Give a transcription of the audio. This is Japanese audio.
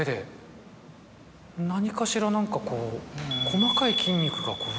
何かしら何かこう。